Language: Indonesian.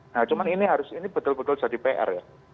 nah cuman ini harus ini betul betul jadi pr ya